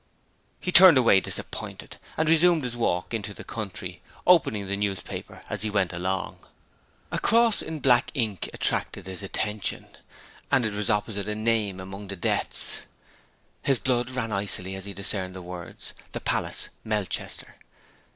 He turned away disappointed, and resumed his walk into the country, opening the paper as he went along. A cross in black ink attracted his attention; and it was opposite a name among the 'Deaths.' His blood ran icily as he discerned the words 'The Palace, Melchester.'